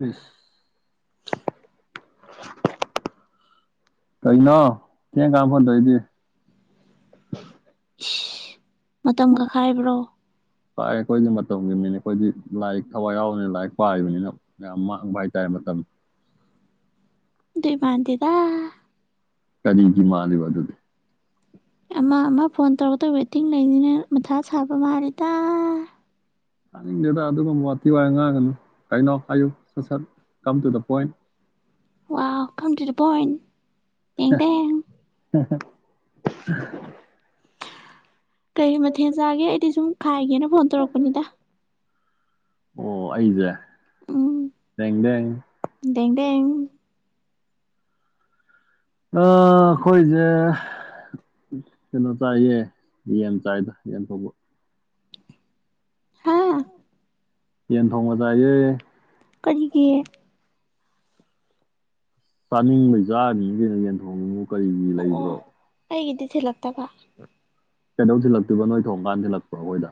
ꯎꯝ ꯀꯏꯅ ꯀꯦ ꯀꯥ ꯐꯗꯏꯗꯤ ꯃꯇꯝ ꯀꯛꯈꯥꯏꯕ꯭ꯔꯣ ꯄꯥꯛꯑꯦ ꯑꯩꯈꯣꯏꯗꯤ ꯃꯇꯝꯒꯤ ꯃꯤꯅꯤ ꯑꯩꯈꯣꯏꯗꯤ ꯂꯥꯏꯔꯤꯛ ꯊꯋꯥꯏ ꯌꯥꯎꯕꯅꯤꯅ ꯂꯥꯏꯔꯤꯛ ꯄꯥꯔꯤꯕꯅꯤꯅ ꯌꯥꯝ ꯃꯥꯡꯕ ꯍꯥꯏꯇꯥꯔꯦ ꯃꯇꯝ ꯏꯕꯥꯥꯟꯗꯦꯗ ꯀꯔꯤꯗꯤꯃꯅꯦꯕ ꯑꯗꯨꯗ ꯑꯃ ꯑꯃ ꯐꯣꯟ ꯇꯧꯔꯛꯇ ꯋꯦꯇꯤꯡ ꯂꯩꯅꯤꯅ ꯃꯊꯥ ꯁꯥꯕ ꯃꯥꯜꯂꯤꯦꯗ ꯍꯥꯏꯅꯤꯡꯗꯦꯗ ꯑꯗꯨꯒꯨꯝ ꯋꯥꯇꯤ ꯋꯥ ꯉꯥꯡꯒꯅꯨ ꯀꯩꯅꯣ ꯍꯥꯏꯌꯨ ꯁꯠ ꯁꯠ ꯀꯝ ꯇꯨ ꯗ ꯄꯣꯏꯟ ꯋꯥ ꯐꯝꯇꯔꯤꯕꯟ ꯏꯗ [inaudible] ꯀꯩ ꯃꯊꯦꯜ ꯆꯥꯒꯦ ꯑꯩꯗꯤ ꯁꯨꯝ ꯈꯥꯏꯒꯦꯅ ꯚ ꯇꯔꯛ ꯀꯅꯤꯗ ꯑꯣ ꯑꯩꯁꯦ ꯎꯝ ꯗꯗ ꯑꯩꯈꯣꯏꯁꯦ ꯀꯩꯅꯣ ꯆꯥꯏꯌꯦ ꯌꯦꯟ ꯆꯥꯏꯗ ꯌꯦꯟꯊꯕ ꯍꯥꯥ ꯌꯦꯟ ꯊꯣꯡꯕꯖꯏꯌꯦ ꯀꯔꯤꯒꯤꯦ ꯆꯥꯅꯤꯡꯕ ꯆꯥꯔꯅꯤ ꯀꯩꯅꯣ ꯌꯦꯟꯊꯣꯡꯉꯃꯨꯛ ꯀꯔꯤꯒꯤ ꯂꯩꯕ꯭ꯔꯣ ꯆꯜꯂꯛꯇꯕ ꯀꯩꯗꯧꯁꯤꯤꯜꯂꯛꯇꯣꯏꯕ ꯅꯣꯏ ꯊꯣꯡ ꯀꯥꯟꯁꯤꯜꯂꯛꯄꯣ ꯑꯩꯈꯣꯏꯗ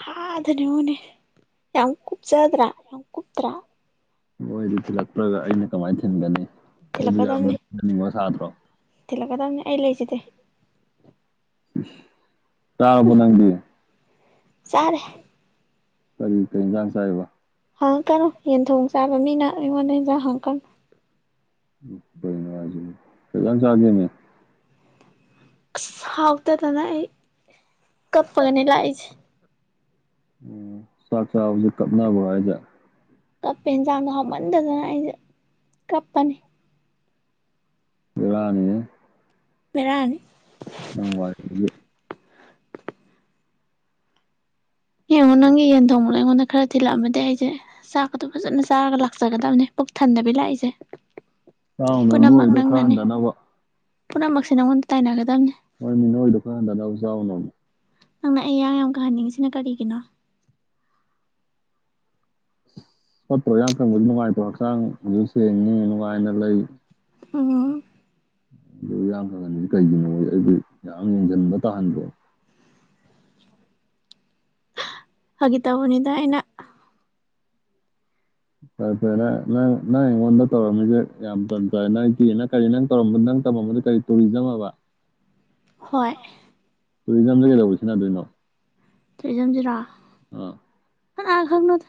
ꯀ ꯑꯗꯨꯅꯨꯅꯦ ꯌꯥꯝ ꯈꯨꯨꯞ ꯆꯖꯥꯗ꯭ꯔꯥ ꯈꯨꯨꯞ ꯇꯔꯥ ꯍꯣꯏ ꯑꯗꯨ ꯊꯤꯜꯂꯛꯄ꯭ꯔꯒ ꯑꯩꯅ ꯀꯃꯥꯏꯅ ꯊꯤꯟꯒꯅꯤ ꯑꯩꯕꯨ ꯌꯥꯝꯗꯅꯤꯡꯕ ꯁꯥꯇ꯭ꯔꯣ ꯊꯤꯜꯂꯛꯀꯗꯕꯅꯦ ꯑꯩ ꯂꯩꯁꯤꯗꯤꯦ ꯇꯥꯕ ꯅꯪꯗꯦ ꯆꯔꯦ ꯀꯔꯤ ꯀꯔꯤ ꯏꯟꯖꯥꯡ ꯆꯥꯏꯕ ꯍꯪꯉꯛꯀꯅꯨ ꯌꯦꯟꯊꯣꯡ ꯆꯥꯕ ꯃꯤꯅ ꯑꯩꯉꯣꯟꯗ ꯌꯦꯟꯖꯥꯡ ꯍꯪꯉꯛꯀꯅꯨ ꯫ ꯑꯦ ꯀꯩꯅꯣ ꯍꯥꯏꯖꯤꯕꯣ ꯀꯩꯖꯪ ꯆꯒꯦ ꯅꯦ꯫ ꯍꯥꯎ ꯇ ꯇꯅ ꯀꯞꯄꯒꯅꯦ ꯂꯥꯛ ꯏꯁꯦ꯫ ꯎꯝ ꯆꯥꯛ ꯆꯥꯕꯖꯤꯛ ꯀꯞꯅꯕ꯭ꯔꯣ ꯍꯥꯏꯁꯦ꯫ ꯀꯞꯄꯦ ꯌꯦꯟꯁꯥꯡꯗꯣ ꯍꯥꯎꯃꯟꯗꯗꯅ ꯑꯩꯁꯦ ꯀꯞꯄꯅꯤ꯫ ꯕꯦꯔꯥꯅꯤꯍꯦ꯫ ꯕꯦꯔꯥꯅꯤ꯫ ꯑ ꯋꯥꯏ [inaudible] [unintelligible] ꯌꯦꯡꯉꯣ ꯅꯪꯒꯤ ꯌꯦꯟ ꯊꯣꯡꯕꯗꯣ ꯑꯩꯉꯣꯟꯗ ꯈꯔ ꯊꯤꯜꯂꯛꯑꯃꯗꯤ ꯑꯩꯁꯦ ꯆꯥꯛꯀꯗꯣ ꯐꯖꯅ ꯆꯥꯔꯒ ꯂꯥꯛꯆꯒꯗꯕꯅꯦ ꯄꯨꯛ ꯊꯟꯗꯕꯤ ꯂꯥꯛꯏꯁꯦ꯫ ꯆꯥꯎꯅꯣ ꯄꯨꯝꯅꯃꯛ ꯅꯣꯏꯗꯣ ꯈꯔ ꯅꯪꯅꯅꯦ ꯍꯟꯊꯅꯕ ꯄꯨꯝꯅꯃꯛꯁꯦ ꯅꯪꯉꯣꯟꯗ ꯇꯥꯏꯅꯒꯗꯕꯅꯦ ꯅꯣꯏꯅꯤ ꯅꯣꯏꯗꯣ ꯈꯔ ꯍꯟꯊꯅꯕ ꯆꯥꯎꯅꯣꯕ꯫ ꯅꯪꯅ ꯑꯩ ꯌꯥꯡ ꯌꯥꯝ ꯀꯪꯍꯟꯅꯤꯡꯉꯤꯁꯦ꯫ ꯁꯤꯅ ꯀꯔꯤꯒꯤꯅꯣ꯫ ꯐꯠꯇ꯭ꯔꯣ ꯌꯥꯡ ꯀꯪꯕꯨꯗꯤ ꯅꯨꯡꯉꯥꯏꯇ꯭ꯔꯣ ꯍꯛꯆꯥꯡ ꯁꯦꯡꯅꯤ ꯅꯨꯡꯉꯥꯏꯅ ꯂꯩ꯫ ꯑ꯫ ꯑꯗꯨ ꯌꯥꯝ ꯐꯒꯅꯤꯗꯤ ꯀꯩꯒꯤꯅꯣ ꯑꯩꯈꯣꯏ ꯌꯥꯝ ꯌꯦꯡꯁꯤꯟꯕ ꯇꯥꯍꯟꯗ꯭ꯔꯣ [inaudible] [unintelligible] ꯐꯥꯒꯤ ꯇꯧꯕꯅꯤꯗ ꯑꯩꯅ ꯫ ꯐꯔꯦ ꯐꯔꯦ ꯅꯪ ꯅꯪ ꯑꯩꯉꯣꯟꯗ ꯇꯧꯔꯝꯃꯤꯁꯦ ꯌꯥꯝ ꯐ ꯐꯦ ꯅꯪ ꯀꯤꯅꯪ ꯀꯔꯤ ꯅꯪ ꯇꯧꯔꯝꯕ ꯅꯪ ꯇꯧꯝꯕꯗꯨ ꯀꯔꯤ ꯇꯨꯔꯤꯖꯝ ꯍꯥꯏꯕ꯫ ꯍꯣꯏ꯫ ꯇꯨꯔꯤꯖꯝꯗꯒꯤ ꯀꯩꯗꯧꯕ ꯁꯤꯖꯤꯟꯅꯗꯣꯏꯅꯣ꯫ ꯇꯨꯔꯤꯖꯝ ꯁꯤꯔꯣ꯫ ꯑꯥ꯫ ꯀꯅꯥ ꯈꯪꯕꯅꯣꯗ꯫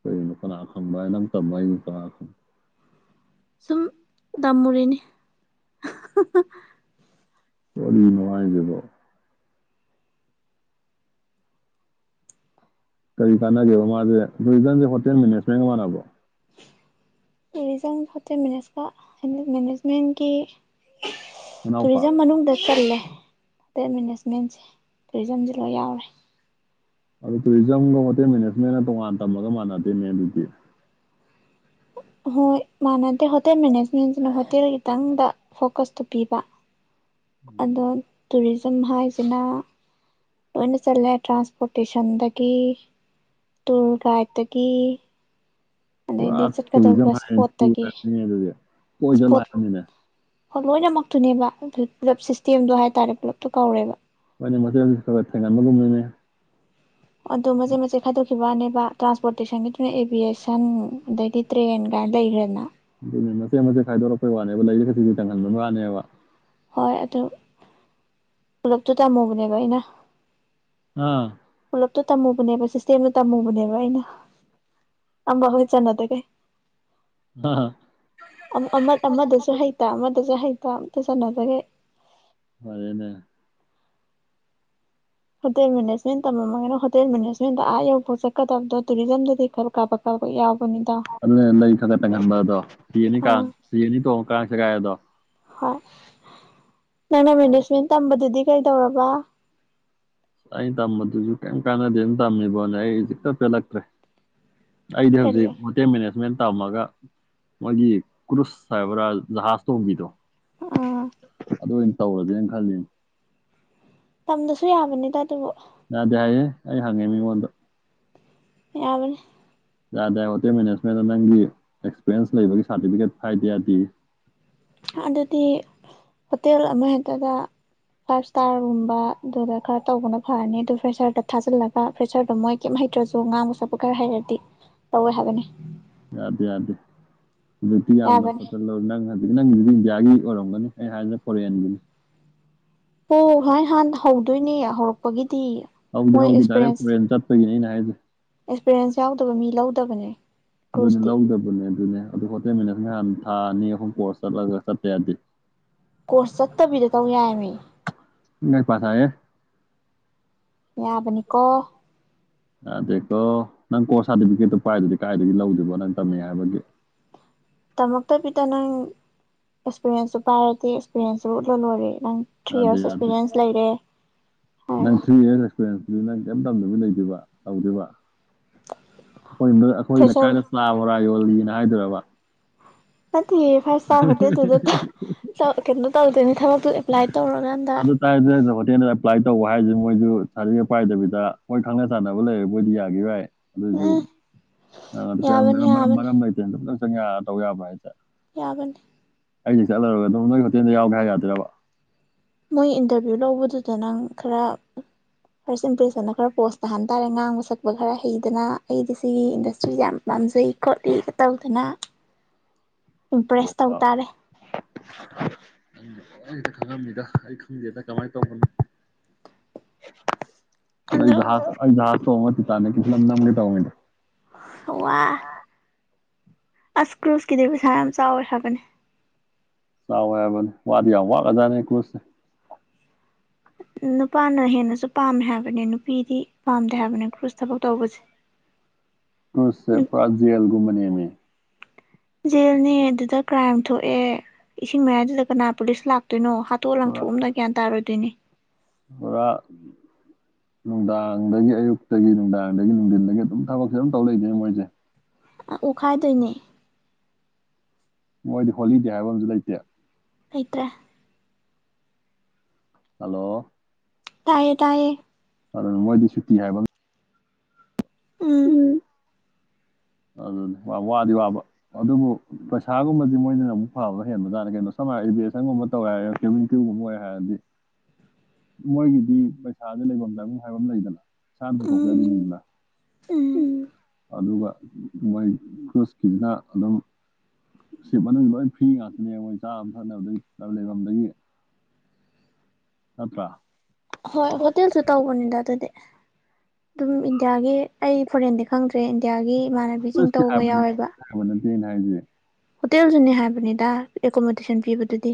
ꯀꯩꯅꯣ ꯀꯅꯥ ꯈꯪꯕ ꯍꯥꯏ ꯅꯪ ꯇꯝꯃꯒ ꯑꯩ ꯀꯅꯥ ꯈꯪ꯫ ꯁꯨꯝ ꯇꯝꯃꯨꯔꯤꯅꯤ꯫ ꯋꯥꯔꯤ ꯅꯨꯡꯉꯥꯏꯗꯦꯗꯣ꯫ ꯀꯔꯤ ꯀꯥꯟꯅꯒꯦꯕ ꯃꯥꯁꯦ ꯇꯨꯔꯤꯖꯝꯁꯦ ꯍꯣꯇꯦꯜ ꯃꯦꯅꯦꯖꯃꯦꯟꯒ ꯃꯥꯟꯅꯕ꯭ꯔꯣ꯫ ꯔꯤꯖꯜꯖ ꯃꯅꯦꯖꯃꯦꯟꯀꯤ [inaudible] [unintelligible] ꯃꯅꯥꯎꯄꯥ ꯇꯨꯔꯤꯖꯝ ꯃꯅꯨꯡꯗ ꯆꯜꯂꯦ꯫ ꯍꯣꯇꯦꯜ ꯃꯦꯅꯦꯖꯃꯦꯟꯁꯦ ꯇꯨꯔꯤꯖꯝꯁꯨ ꯂꯣꯏ ꯌꯥꯎꯔꯦ꯫ ꯑꯗꯨ ꯇꯨꯔꯤꯖꯝꯒ ꯍꯣꯇꯦꯜ ꯃꯦꯅꯦꯖꯃꯦꯟꯅ ꯇꯣꯉꯥꯟ ꯇꯝꯃꯒ ꯃꯥꯟꯅꯗꯦꯅꯦ ꯑꯗꯨꯗꯤ꯫ ꯍꯣꯏ ꯃꯥꯟꯅꯗꯦ ꯍꯣꯇꯦꯜ ꯃꯦꯅꯦꯖꯃꯦꯟꯁꯤꯅ ꯍꯣꯇꯦꯜ ꯈꯤꯇꯪꯗ ꯐꯣꯀꯁꯇꯨ ꯄꯤꯕ꯫ ꯑꯗꯣ ꯇꯨꯔꯤꯖꯝ ꯍꯥꯏꯁꯤꯅ꯫ ꯂꯣꯏꯅ ꯆꯠꯂꯦ ꯇ꯭ꯔꯥꯟꯁꯄꯣꯔꯇꯦꯁꯟꯗꯒꯤ ꯇꯨꯔ ꯒꯥꯏꯗꯇꯒꯤ꯫ ꯄꯨꯔꯥ ꯑꯗꯩꯗꯤ ꯆꯠꯀꯗꯧꯕ ꯇꯨꯔꯤꯖꯝ ꯏꯁꯄꯣꯠꯇꯒꯤ ꯍꯥꯏꯔ ꯑꯗꯨꯗꯤ ꯀꯣꯏꯗꯕ ꯏꯁꯄꯣꯠ ꯍꯥꯏꯔꯕꯅꯤꯅꯦ꯫ ꯍꯣꯏ ꯂꯣꯏꯅꯃꯛꯇꯨꯅꯦꯕ ꯑꯗꯨ ꯄꯨꯂꯞ ꯁꯤꯁꯇꯦꯝꯗꯣ ꯍꯥꯏꯇꯥꯔꯦ ꯄꯨꯂꯞꯇꯣ ꯀꯧꯔꯦꯕ꯫ ꯃꯦꯥꯟꯨꯝ [unintelligible] [inaudible] ꯑꯗꯨꯣ ꯃꯆꯦꯠ ꯃꯆꯦꯠ ꯈꯥꯏꯗꯣꯛꯈꯤꯕ ꯋꯥꯅꯦꯕ ꯇ꯭ꯔꯥꯟꯁꯄꯣꯔꯠ꯫ ꯇꯨꯁꯟꯒꯤꯗꯨꯅ ꯑꯦꯕꯤꯌꯦꯁꯟ ꯑꯗꯩꯗꯤ ꯇ꯭ꯔꯦꯟ ꯀꯥꯏꯅ ꯂꯩꯈ꯭ꯔꯦꯅ꯫ ꯑꯗꯨꯅꯦ ꯃꯆꯠ ꯃꯆꯠ ꯈꯥꯏꯗꯣꯔꯛꯄꯩ ꯋꯥꯅꯦꯕ ꯂꯩꯔꯤ ꯈꯖꯤꯁꯨ ꯆꯪꯍꯟꯕꯅ ꯋꯥꯅꯦꯕ [unintelligible] [inaudible] ꯍꯣꯏ ꯑꯗꯨ ꯄꯨꯂꯞꯛꯇꯨ ꯇꯝꯃꯨꯕꯅꯦꯕ ꯑꯩꯅ꯫ ꯑꯥ꯫ ꯥꯄꯨꯂꯞꯇꯨ ꯇꯝꯃꯨꯕꯅꯦꯕ ꯁꯤꯁꯇꯦꯝꯗ ꯇꯝꯃꯨꯕꯅꯦꯕ ꯑꯩꯅ ꯑꯃꯐꯥ꯭ꯎꯍꯦꯛ ꯆꯟꯅꯗꯒꯩ꯫ ꯍ꯫ ꯑꯃ ꯑꯃꯗꯁꯨ ꯍꯩꯇ ꯑꯃꯗꯁꯨ ꯍꯩꯇ ꯑꯗꯨ ꯁꯥꯟꯅꯅꯕꯒꯦ ꯐꯔꯦꯅꯦ ꯍꯣꯇꯦꯜ ꯃꯦꯅꯦꯖꯃꯦꯟ ꯇꯝꯃꯝꯃꯒꯅ ꯍꯣꯇꯦꯜ ꯃꯦꯅꯦꯖꯃꯦꯟꯗ ꯑꯥ ꯌꯧ ꯆꯠꯀꯗꯕꯗꯣ ꯇꯨꯔꯤꯖꯝꯗꯗꯤ ꯈꯔ ꯀꯥꯞꯄ ꯀꯥꯞꯄ ꯌꯥꯎꯕ ꯑꯗꯨ ꯂꯩ ꯈ ꯈꯠꯇꯪꯍꯟꯕ ꯑꯗꯣ ꯐꯤ ꯑꯅꯤ ꯀꯥꯡ ꯑꯥ ꯐꯤ ꯑꯅꯤ ꯇꯣꯡꯉ ꯀ ꯀꯥꯡꯁꯤꯒꯗꯣ ꯍꯣꯏ ꯅꯪ ꯅ ꯃꯅꯦ ꯁ꯭ꯦꯟ ꯇꯝꯕꯗꯨꯗꯤ ꯀꯩ ꯇꯧꯔꯕ ꯑꯩꯅ ꯇꯝꯕꯗꯨꯁꯨ ꯀꯩꯝ ꯀꯥꯟꯅꯗꯦ ꯑꯗꯨ ꯇꯝꯃꯤꯕꯣꯅꯦ ꯑꯩꯖꯤꯛꯇ ꯄꯦꯜꯂꯛꯇ꯭ꯔꯦ ꯑꯩꯗ ꯀꯔꯤ ꯍꯧꯖꯤꯦ ꯃꯦ ꯃꯅꯦꯠꯁ ꯃꯦ ꯇꯝꯃꯒ ꯃꯣꯏꯒꯤ ꯀ꯭ꯔꯨꯁ ꯍꯥꯏꯕ꯭ꯔꯥ ꯖꯍꯥꯖ ꯇꯣꯡꯝꯕꯤꯗꯣ ꯑꯥ ꯑꯗꯨ ꯑꯣꯏꯅ ꯇꯧꯔꯗꯤꯦꯅ ꯈꯜꯂꯤ ꯇꯝꯗꯁꯨ ꯌꯥꯕꯅꯤꯗ ꯑꯗꯨꯕꯨ ꯑꯗ ꯍꯥꯏꯌꯦꯦ ꯑꯩ ꯍꯪꯉꯦ ꯃꯤꯉꯣꯟꯗ ꯌꯥꯕꯅꯤ ꯌꯥꯗ꯭ꯔꯦ ꯍꯣꯇꯦꯜ ꯃꯦꯅꯦꯖꯃꯦꯟꯗ ꯅꯪꯒꯤ ꯑꯦꯛꯁꯄꯤꯔꯤꯌꯦꯟꯁ ꯂꯩꯕꯒꯤ ꯁꯥꯔꯇꯤꯐꯤꯀꯦꯠ ꯍꯥꯏꯗ ꯌꯥꯗꯦ ꯑꯗꯨꯗꯤ ꯍꯣꯇꯦꯜ ꯑꯃꯍꯦꯛꯇꯗ ꯐꯥꯏꯚ ꯏꯁꯇꯥꯔꯒꯨꯝꯕ ꯑꯗꯨꯗ ꯈꯔ ꯇꯧꯕꯅ ꯐꯔꯅꯤ ꯑꯗꯨ ꯐ꯭ꯔꯦꯁꯔꯗ ꯊꯥꯖꯤꯜꯂꯒ ꯐ꯭ꯔꯦꯁꯔꯗꯣ ꯃꯣꯏ ꯀꯔꯤꯝ ꯍꯩꯇ꯭ꯔꯁꯨ ꯉꯥꯡꯕ ꯁꯛꯄ ꯈꯔ ꯍꯩꯔꯗꯤ ꯇꯧꯋꯦ ꯍꯥꯏꯕꯅꯤ ꯑꯗꯨꯗ ꯑꯗꯦ ꯑꯗꯨ ꯇꯤꯅ ꯌꯥꯕꯅꯤ ꯄ ꯅꯪ ꯅꯪꯗꯨꯗꯤ ꯏꯟꯗꯤꯌꯥꯒꯤ ꯑꯣꯏꯔꯝꯒꯅꯤ ꯑꯩ ꯍꯥꯏꯅ ꯐꯣꯔꯦꯟꯒꯤꯅꯤ ꯑꯣ ꯍ ꯍꯥꯟ ꯍ ꯑꯗꯨꯣꯏꯅꯦ ꯍꯧꯔꯛꯄꯒꯤ ꯍꯧꯗꯤ ꯍꯧꯗꯤ ꯗꯥꯏꯔꯦꯛ ꯐꯣꯔꯦꯟ ꯆꯠꯄꯒꯤꯅꯤ ꯑꯩꯅ ꯍꯥꯏꯗꯤ ꯑꯦꯛꯁꯄꯤꯔꯤꯌꯦꯦꯟꯁ ꯌꯥꯎꯗꯕ ꯃꯤ ꯂꯧꯗꯕꯅꯦ ꯑꯗꯨꯅꯦ ꯀ꯭ꯔꯨꯁꯇꯤ ꯂꯧꯗꯕꯅꯦ ꯑꯗꯨꯅꯦ ꯑꯗꯨ ꯍꯣꯠꯇꯃꯤꯟꯅ ꯑꯉꯥꯟ ꯊꯥ ꯑꯅꯤ ꯑꯍꯨꯝ ꯀꯣꯔꯁ ꯆꯠꯂꯒ ꯆꯠꯄꯦ ꯌꯥꯗꯤ ꯀꯣꯔꯁ ꯆꯠꯇꯕꯤꯗ ꯇꯧ ꯌꯥꯏꯃꯤ ꯃ ꯄꯥꯁ ꯌꯥꯕꯅꯤꯀꯣ ꯑꯗꯀꯣ ꯅꯪ ꯀꯣꯔꯁ ꯁꯥꯔꯇꯤꯐꯤꯀꯦꯠꯇꯣ ꯄꯥꯏꯗꯨꯗꯤ ꯀꯥꯏꯗꯒꯤ ꯂꯧꯗꯣꯏꯕꯣ ꯅꯪ ꯇꯝꯃꯤ ꯍꯥꯏꯕꯒꯤ ꯇꯃꯛꯇ ꯄꯗ ꯅꯪ ꯑꯦꯛꯁꯄꯤꯔꯦꯟꯁꯁꯨ ꯄꯥꯏꯔꯗꯤꯦ ꯑꯦꯛꯁꯄꯤꯔꯦꯟꯁꯁꯨ ꯎꯠꯂ ꯂꯣꯏꯔꯦ ꯅꯪ ꯊ꯭ꯔꯤ ꯑꯗꯦ ꯌꯔꯁ ꯑꯗꯦ ꯑꯦꯛꯁꯄꯤꯔꯦꯟꯁ ꯂꯩꯔꯦ ꯅꯪ ꯍꯥꯏꯔꯒ ꯊ꯭ꯔꯤ ꯏꯔꯁ ꯑꯦꯛꯁꯄꯤꯔꯤꯟ ꯑꯗꯨ ꯅꯪ ꯀꯔꯤꯝ ꯇꯝꯅꯕ ꯂꯩꯗꯕ ꯇꯧꯗꯕ ꯑꯩꯈꯣꯏ ꯑꯩꯈꯣꯏ ꯐ꯭ꯔꯦꯁꯔ ꯂꯛꯀꯥꯏꯗ ꯁꯂꯕꯔ ꯄꯌꯣꯜꯂꯤꯅ ꯍꯥꯏꯗꯔꯕ ꯅꯗꯤ ꯐꯥꯏꯚ ꯏꯁꯔ ꯍꯣꯇꯦꯜ ꯇꯗ ꯀꯩꯅꯣ ꯇꯧꯗꯅꯦꯅꯤ ꯊꯕꯛ ꯑꯗꯨꯗ ꯇꯥꯏ [unintelligible] ꯄ꯭ꯂꯥꯏ ꯇꯧꯕ ꯍꯥꯏꯁꯦ ꯃꯣꯏꯁꯨ ꯁꯥꯔꯇꯤꯦꯠ ꯄꯥꯏꯗꯕꯤꯗ ꯃꯣꯏ ꯈꯪꯅ ꯆꯥꯟꯅꯕ ꯂꯩꯔꯦ ꯃꯣꯏꯗꯤ ꯌꯥꯒꯤ ꯌꯥꯏ ꯑꯗꯨꯗꯁꯨ ꯎꯝ ꯀꯔ ꯌꯥꯕꯅꯤ ꯃꯔꯝ ꯌꯥꯕꯅꯤ ꯃꯔꯤ ꯂꯩꯇꯅ ꯪ ꯇꯧ ꯌꯥꯕ꯭ꯔꯥ ꯍꯥꯏꯁꯦ ꯌꯥꯕꯅꯤ ꯑꯩꯁꯦ ꯆꯠꯂꯔꯨꯔꯒ ꯑꯗꯨꯝ ꯅꯣꯏꯒꯤ ꯍꯣꯇꯦꯜꯗ ꯌꯥꯎꯒꯦ ꯍꯥꯏ ꯌꯥꯗ꯭ꯔꯥꯕ ꯃꯣꯏ ꯏꯟꯇꯔꯚꯤꯌꯨ ꯂꯧꯕꯗꯨꯗ ꯅꯪ ꯈꯔ ꯐꯥꯔꯁ ꯏꯝꯄ꯭ꯔꯦꯁꯟꯗ ꯈꯔ ꯄꯣꯁ ꯇꯥꯍꯟ ꯇꯥꯔꯦ ꯉꯥꯡꯕ ꯁꯛꯄ ꯈꯔ ꯍꯩꯗꯅ ꯑꯩꯗꯤ ꯁꯤꯒꯤ ꯏꯟꯗꯁꯇ꯭ꯔꯤꯁꯦ ꯌꯥꯝ ꯄꯥꯝꯖꯩ ꯈꯣꯠꯂꯤꯒ ꯇꯧꯗꯅ ꯏꯝꯄ꯭ꯔꯦꯁ ꯇꯧ ꯌꯥꯗꯣꯏꯔꯕ ꯇꯥꯔꯦ ꯑꯩꯇ ꯈꯪꯉꯝꯃꯤꯗ ꯑꯩ ꯈꯪꯗꯦꯗ ꯀꯃꯥꯏꯅ ꯇꯧꯕꯅꯣ ꯑꯗꯨ ꯏꯖꯍꯥꯁ ꯏꯖꯍꯥꯁ ꯇꯣꯡꯉꯥ ꯇꯤꯇꯥꯅꯤꯛ ꯀꯥ ꯐꯤꯂꯝ ꯅꯝꯒꯦ ꯇꯧꯅꯦꯗ ꯋꯥ ꯑꯁ ꯀ꯭ꯔꯨꯁꯀꯤꯗꯤꯕꯁ ꯌꯥꯝ ꯆꯥꯎꯋꯦ ꯍꯥꯏꯕꯅꯦ ꯆꯥꯎꯌꯦ ꯍꯥꯏꯕꯅꯦ ꯋꯥꯗꯤ ꯌꯥꯝ ꯋꯥꯈꯔ ꯖꯥꯠꯅꯦ ꯀ꯭ꯔꯨꯁꯁꯦ ꯅꯨꯄꯥꯅ ꯍꯦꯟꯅꯁꯨ ꯄꯥꯝꯃꯦ ꯍꯥꯏꯕꯅꯦ ꯅꯨꯄꯤꯗꯤ ꯄꯥꯝꯗꯦ ꯍꯥꯏꯕꯅꯦ ꯀ꯭ꯔꯨꯁ ꯊꯕꯛ ꯇꯧꯕꯁꯦ ꯀ꯭ꯔꯨꯁ ꯄꯨꯔꯥ ꯖꯦꯜ ꯒꯨꯝꯕꯅꯦꯃꯤ ꯖꯦꯜꯅꯦ ꯑꯗꯨꯗ ꯀ꯭ꯔꯥꯏꯝ ꯊꯣꯛꯑꯦ ꯏꯁꯤꯡ ꯃꯌꯥꯏꯗꯨꯗ ꯀꯅꯥ ꯄꯨꯂꯤꯁ ꯂꯥꯛꯇꯣꯏꯅꯣ ꯍꯥꯠꯇꯣꯛ ꯄꯨꯔꯥ ꯂꯥꯡꯊꯣꯛꯑꯝꯅ ꯒ꯭ꯌꯥꯟ ꯇꯥꯔꯣꯏꯗꯣꯏꯅꯤ ꯄꯨꯔꯥ ꯅꯨꯡꯗꯥꯡꯗꯒꯤ ꯑꯌꯨꯛꯇꯒꯤ ꯅꯨꯡꯗꯥꯡꯗꯒꯤ ꯅꯨꯡꯊꯤꯟꯗꯒꯤ ꯑꯗꯨꯝ ꯊꯕꯛꯁꯦ ꯑꯗꯨꯝ ꯇꯧ ꯂꯩꯗꯣꯏꯅꯦ ꯃꯣꯏꯁꯦ ꯑꯣꯠꯈꯥꯏꯗꯣꯏꯅꯦ ꯃꯣꯏꯗꯤ ꯍꯣꯂꯤꯗꯦ ꯍꯥꯏꯕ ꯑꯃꯁꯨ ꯂꯩꯇꯦ ꯂꯩꯇ꯭ꯔꯦ ꯍꯜꯂꯣ ꯇꯥꯏꯌꯦ ꯇꯌꯦ ꯑꯗꯨ ꯃꯣꯏꯗꯤ ꯁꯨꯇꯤ ꯍꯥꯏꯕ ꯎꯝ ꯑꯗꯨꯗꯤ ꯋꯥꯗꯤ ꯋꯥꯕ ꯑꯗꯨꯕꯨ ꯄꯩꯁꯥꯒꯨꯝꯕꯗꯤ ꯃꯣꯏꯅꯅ ꯑꯃꯨꯛ ꯐꯕ ꯍꯦꯟꯕ ꯇꯥꯔꯅꯤ ꯀꯩꯅꯣ ꯁꯝ ꯍꯥꯏꯅ ꯏꯚꯦꯁꯟꯒꯨꯝꯕ ꯇꯧꯋꯦ ꯍꯥꯏꯔ ꯀ꯭ꯨꯚ ꯀ꯭ꯌꯨꯒꯨꯝꯕ ꯑꯣꯏꯦ ꯍꯥꯏꯔꯗꯤ ꯃꯣꯏꯒꯤꯗꯤ ꯄꯩꯁꯥꯗꯤ ꯂꯩꯐꯝ ꯂꯩꯕꯨꯡ ꯍꯥꯏꯐꯝ ꯑꯃ ꯂꯩꯗꯅ ꯏꯁꯥꯅ ꯎꯝ ꯄꯨꯊꯣꯛꯆꯗꯣꯏꯅꯤꯅ ꯎꯝ ꯑꯗꯨꯒ ꯃꯣꯏ ꯀ꯭ꯔꯨꯁꯀꯤꯁꯤꯅ ꯑꯗꯨꯝ ꯁꯤꯞ ꯃꯅꯨꯡ ꯂꯣꯏ ꯐ꯭ꯔꯤ ꯉꯥꯛꯇꯅꯦ ꯃꯣꯏ ꯆꯥꯕ ꯊꯛꯅꯕꯗ ꯂꯩꯐꯝꯗꯒꯤ ꯅꯠꯇ꯭ꯔ ꯍꯣꯏ ꯍꯣꯇꯦꯜꯁꯨ ꯇꯎꯧꯕꯅꯤꯗ ꯑꯗꯨꯗꯤ ꯑꯗꯨꯝ ꯏꯟꯗꯤꯌꯥꯒꯤ ꯑꯩ ꯐꯣꯔꯦꯟꯗꯤ ꯈꯪꯗ꯭ꯔꯦ ꯏꯟꯗꯤꯌꯥꯒꯤ ꯏꯃꯥꯟꯅꯕꯤꯁꯤꯡ ꯀ꯭ꯔꯨꯁꯀꯤ ꯇꯧꯕ ꯍꯥꯏꯕꯅꯤ ꯌꯥꯎꯋꯦꯕ [unintelligible] ꯍꯣꯇꯦꯜꯁꯨꯅꯦ ꯍꯥꯏꯕꯅꯤꯗ ꯑꯦꯀꯣꯃꯣꯗꯦꯁꯟ ꯄꯤꯕꯗꯨꯗꯤ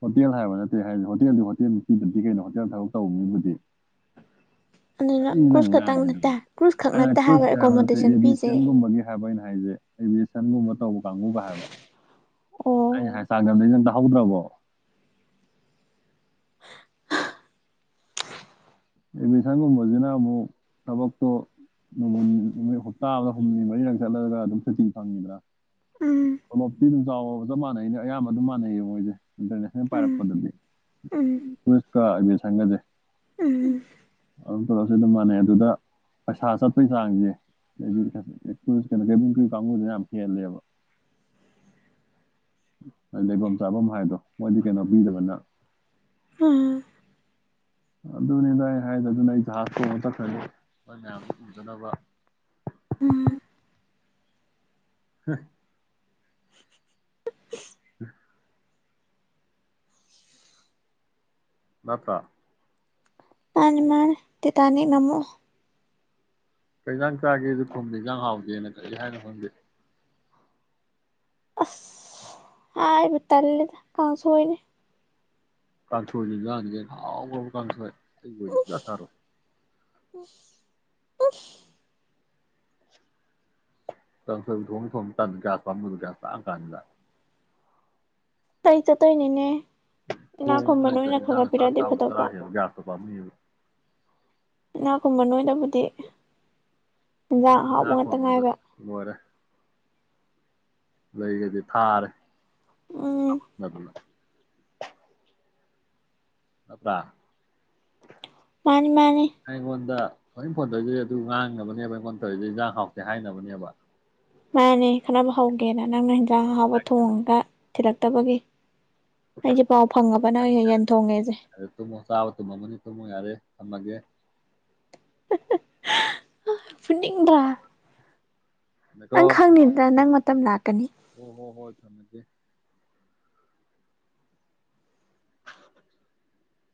ꯍꯣꯇꯦꯜ ꯍꯥꯏꯕ ꯅꯠꯇꯦ ꯍꯥꯏꯗꯤ ꯍꯣꯇꯦꯜꯗꯤ ꯍꯣꯇꯦꯜ ꯅꯨ ꯄꯤꯗꯗꯤ ꯀꯩꯅꯣ ꯍꯣꯇꯦꯜ ꯊꯕꯛ ꯇꯧꯕꯅꯤꯕꯨꯗꯤ ꯑꯗꯨꯅ ꯀꯔꯤ ꯅ ꯀ꯭ꯔꯨꯁ ꯈꯛꯇꯪ ꯉꯥꯏꯉꯗꯅꯣ ꯅꯠꯇꯦ ꯀ꯭ꯔꯨꯁ ꯈꯛ ꯑꯩꯅ ꯅꯠꯇꯦ ꯍꯥꯏꯕ ꯅꯠꯇꯦ ꯑꯦꯀꯣꯃꯣꯗꯦꯁꯟ ꯄꯤꯁꯦ ꯑꯦꯕꯤꯁꯟꯒꯨꯝꯕꯒꯤ ꯍꯥꯏꯕ ꯑꯩꯅ ꯍꯥꯏꯁꯦ ꯑꯦꯕꯤꯁꯟꯒꯨꯝꯕ ꯇꯧꯕ ꯀꯥꯡꯕꯨꯒ ꯍꯥꯏꯕ ꯑꯣ ꯑꯩꯅ ꯍꯥꯏ ꯆꯥꯒ ꯍꯧꯗ꯭ꯔꯕꯣ ꯑꯦꯃꯤꯁꯟꯒꯨꯝꯕꯖꯤꯅ ꯑꯃꯨꯛ ꯊꯕꯛꯇꯣ ꯅꯣꯡꯃ ꯅꯨꯃꯤꯠ ꯍꯞꯇꯥ ꯑꯃꯗ ꯍꯨꯝꯅꯤ ꯃꯔꯤꯔꯛ ꯆꯠꯂꯒ ꯑꯗꯨꯝ ꯁꯨꯇꯤ ꯐꯪꯉꯤꯗꯅ ꯎꯝ ꯇꯣꯂꯣꯞꯇꯤ ꯑꯗꯨꯝ ꯆꯥꯎ ꯆꯞ ꯃꯥꯟꯅꯩꯅꯦ ꯑꯌꯥꯝꯕ ꯑꯗꯨꯝ ꯃꯥꯟꯅꯩꯌꯦ ꯃꯣꯏꯖꯦ ꯏꯟꯇꯔꯅꯦꯁꯅꯦꯜ ꯎꯝ ꯄꯥꯏꯔꯛꯄꯗꯗꯤ ꯎꯝ ꯀꯥ ꯑꯦꯃꯤꯁꯟꯒꯖꯦ ꯎꯝ ꯑꯗꯨꯝ ꯇꯣꯂꯣꯞꯁꯦ ꯑꯗꯨꯝ ꯃꯥꯟꯅꯩ ꯑꯗꯨꯗ ꯄꯩꯁꯥ ꯆꯠꯄꯒꯤ ꯆꯥꯡꯖꯦ [unintelligible] ꯀꯦꯕꯨꯟ ꯀꯔ꯭ꯤꯎ ꯀꯥꯡꯕꯨꯖꯤꯅ ꯌꯥꯝ ꯍꯦꯜꯂꯦꯕ ꯂꯩꯕꯝ ꯆꯥꯕꯝ ꯍꯥꯏꯗꯣ ꯃꯣꯏꯗꯤ ꯀꯩꯅꯣ ꯄꯤꯗꯕꯅ ꯎꯝ ꯑꯗꯨꯅꯤꯗ ꯑꯩ ꯍꯥꯏꯗꯣ ꯑꯗꯨꯅ ꯑꯩ ꯖꯍꯥꯖꯇꯣꯡꯉ ꯆꯠꯈ꯭ꯔꯅꯤ ꯅꯣꯏ ꯃꯌꯥꯝꯖꯤ ꯎꯗꯅꯕ ꯎꯝ [unintelligible] [unintelligible] ꯅꯠꯇꯔ꯭ ꯃꯥꯅꯦ ꯃꯥ ꯇꯦꯇꯥꯅꯤꯛ ꯅꯝꯃꯛꯑꯣ ꯀꯩꯏꯟꯖꯥꯡ ꯆꯥꯒꯦꯖꯨ ꯈꯨꯝꯗꯦ ꯏꯟꯖꯥꯡ ꯍꯥꯎꯇꯦꯅ ꯀꯩ ꯍꯥꯏꯅꯣ ꯈꯪꯗꯦ ꯑꯁ ꯍꯥꯏꯕ ꯇꯜꯂꯤꯗ ꯀꯥꯡꯁꯣꯏꯅꯤ ꯀꯥꯡꯁꯣꯏꯖꯨ ꯏꯟꯖꯥꯡ ꯅꯤ ꯀꯩꯅꯣ ꯍꯥꯎꯒꯔꯕ ꯀꯥꯡꯁꯣꯏ ꯑꯩꯒ ꯑꯣꯏꯗꯤ ꯁꯨꯡꯆꯥ ꯆꯥꯔꯣꯏ [unintelligible] ꯀꯥꯡꯁꯣꯏ ꯊꯣꯡꯅꯤ ꯊꯣꯡ ꯇꯟ ꯒꯌꯥꯁ ꯄꯥꯝꯃꯨ ꯒꯌ꯭ꯥꯁ ꯇꯥꯡꯉꯀꯥꯟꯖꯤꯗ ꯇꯩꯆ ꯇꯣꯏꯅꯤꯅꯦ ꯊꯣꯡꯉꯨꯅꯨ ꯂꯩꯇꯔ꯭ꯗꯤ ꯏꯟꯖꯥꯡꯒ ꯆꯥꯛ ꯆꯥꯎꯅꯨ ꯆꯔꯥ ꯐꯗꯧꯕ ꯍꯦꯜꯂꯨ ꯒꯌ꯭ꯥꯁꯇꯣ ꯄꯥꯝꯃꯤꯕ ꯏꯅꯥꯛ ꯈꯨꯝꯕ ꯅꯣꯏꯗꯕꯨꯠ ꯗꯤ ꯏꯟꯖꯥꯡ ꯉꯥ ꯑꯍꯥꯎꯕ ꯉꯥꯇ ꯊꯣꯡꯕꯗ ꯉꯥꯏꯕ ꯂꯣꯏꯔꯦ ꯂꯩꯒꯗꯤ ꯊꯥꯔꯦ ꯎꯝ [unintelligible] ꯅꯠꯇꯔꯥ ꯃꯥꯅꯤ ꯃꯥꯅꯤ ꯑꯩꯉꯣꯟꯗ [unintelligible] ꯐꯣꯟ ꯇꯩꯖꯦ ꯑꯗꯨ ꯉꯥꯡꯅꯕꯅꯦꯕ ꯑꯩꯩꯉꯣꯟ ꯏꯩꯖꯦ ꯏꯟꯖꯥꯡ ꯍꯥꯎꯇꯦ ꯍꯥꯏꯅꯕꯅꯦꯕ ꯃꯥꯅꯦ ꯈꯅꯕ ꯍꯧꯒꯦꯅ ꯅꯪꯅ ꯍꯤꯟꯖꯥꯡ ꯑꯍꯥꯎꯕ ꯊꯣꯡꯒ ꯊꯤꯔꯛꯇꯕꯒꯤ ꯊꯣꯡꯉꯦꯁꯦ ꯌꯥꯔꯦ ꯇꯨꯝꯃꯣ ꯆꯥꯕ ꯇꯨꯝꯃꯝꯃꯅꯤ ꯇꯨꯝꯃꯣ ꯌꯥꯔꯦ ꯊꯝꯃꯒꯦ ꯐꯨꯅꯤꯡꯗꯔꯥ ꯅꯪ ꯈꯪꯅꯤꯗ ꯅꯪ ꯃꯠ ꯇꯝ ꯂꯥꯛꯀꯅꯤ ꯑꯣ ꯍꯣ ꯍꯣꯏ ꯊꯝꯃꯒꯦ [unintelligible]